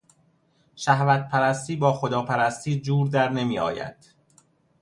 شهوتپرستی با خداپرستی جور در نمیآید.